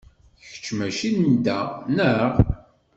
Kečč mačči n da, naɣ?